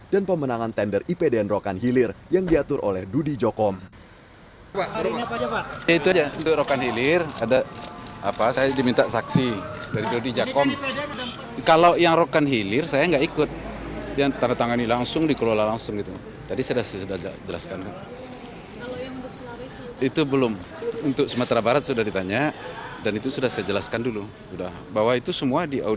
dan pemenangan tender ipdn rokan hilir yang diatur oleh dudi jokom